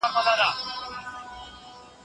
هیوادونه به مهم بحثونه پرمخ وړي.